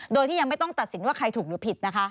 โดยที่ยังไม่ต้องตัดสินว่าใครถูกหรือผิดนะคะ